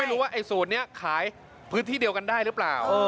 รู้ว่าไอ้สูตรนี้ขายพื้นที่เดียวกันได้หรือเปล่า